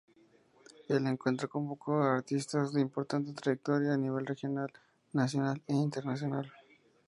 El encuentro convocó a artistas de importante trayectoria a nivel regional, nacional e internacional.